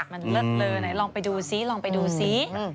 มันเลิศเลอไหนลองไปดูซิลองไปดูซิ